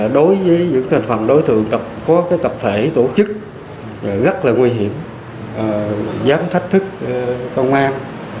đối với những thành phần đối tượng có tập thể tổ chức rất là nguy hiểm dám thách thức công an